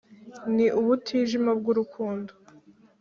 ni ubutijima bw’urukundo,